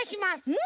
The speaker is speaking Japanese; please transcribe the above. うん！